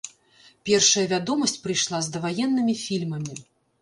Першая вядомасць прыйшла з даваеннымі фільмамі.